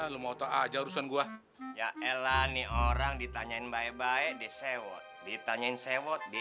lo mau tau aja urusan gua ya elah nih orang ditanyain baik baik diemobob ditanyain di